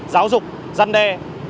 giáo dục giăn đe